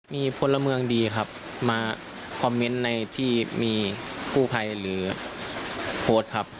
มีพลเมืองดีครับมาคอมเมนต์ในที่มีกู้ภัยหรือโพสต์ครับ